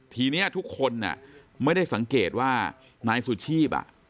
ทีนี้ทุกคนไม่ได้สังเกตว่านายสุชีพ